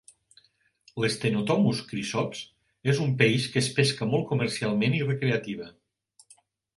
L'stenotomus chrysops és un peix que es pesca molt comercialment i recreativa.